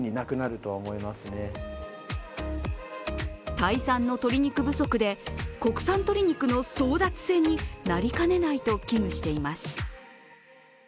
タイ産の鶏肉不足で、国産鶏肉の争奪戦になりかねないと危惧しています。